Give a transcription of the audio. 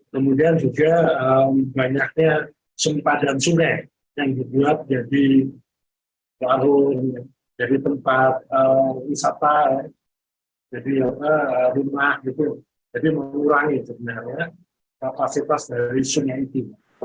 kemudian juga banyaknya sempadan sungai yang dibuat jadi tempat wisata rumah jadi mengurangi kapasitas dari sungai itu